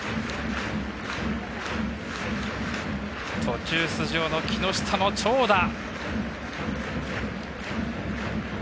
途中出場の木下の長打。